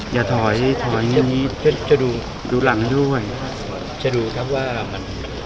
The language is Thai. อย่าถอยถอยจะดูดูหลังด้วยจะดูครับว่ามัน